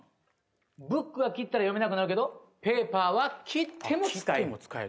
ｂｏｏｋは切ったら読めなくなるけどｐａｐｅｒは切っても使える。